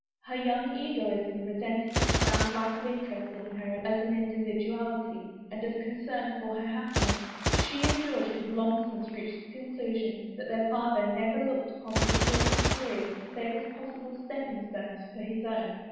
Her young egoism resented his bland lack of interest in her as an individual ity and of concern for her happiness; she and George had long since reached the conclusion that their father never looked upon his children's careers save as possible stepping stones for his own.